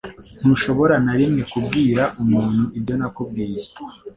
Ntushobora na rimwe kubwira umuntu ibyo nakubwiye